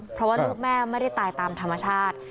เพราะว่าลูกแม่ไม่ได้ตายตามธรรมชาติ